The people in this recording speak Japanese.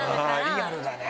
リアルだね。